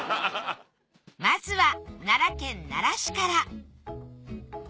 まずは奈良県奈良市から。